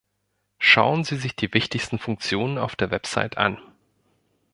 Schauen Sie sich die wichtigsten Funktionen auf der Website an.